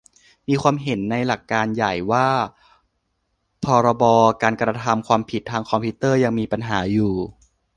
มีความเห็นในหลักการใหญ่ว่า พรบการกระทำความผิดทางคอมพิวเตอร์ยังมีปัญหาอยู่